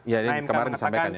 ya ini kemarin disampaikan ya